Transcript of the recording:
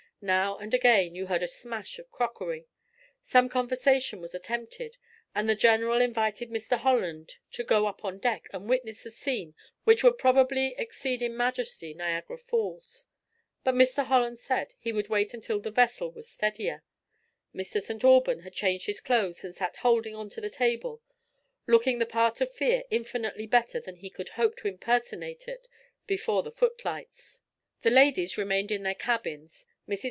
Now and again you heard the smash of crockery. Some conversation was attempted, and the general invited Mr. Holland to go up on deck and witness a scene which would probably exceed in majesty Niagara Falls; but Mr. Holland said he would wait until the vessel was steadier. Mr. St. Aubyn had changed his clothes and sat holding on to the table, looking the part of fear infinitely better than he could hope to impersonate it before the footlights. The ladies remained in their cabins. Mrs.